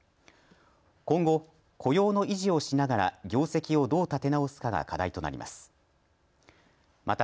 今後、雇用の維持をしながら業績をどう立て直すかが課題となります。